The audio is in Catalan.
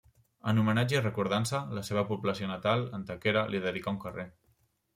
En homenatge i recordança, la seva població natal, Antequera, li dedicà un carrer.